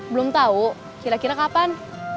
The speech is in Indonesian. belum tahu kira kira kapan